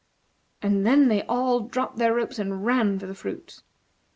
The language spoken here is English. And then they all dropped their ropes, and ran for the fruit.